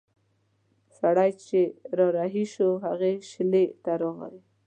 سړی چې را رهي شو هغې شېلې ته راغی.